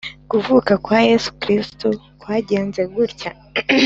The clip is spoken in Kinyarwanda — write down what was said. Kuvuka kwa Yesu Kristo kwagenze gutya